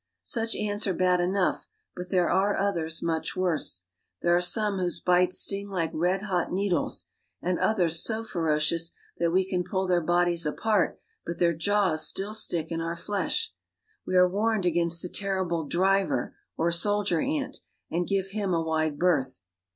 Such ants are bad enough, but there are others much worse. There are some whose bites sting like red hot tedles and others so ferocious that we can pull their Udies apart but their jaws still stick in our flesh. We are "warned against the terrible driver or soldier ant, and give him a wide berth.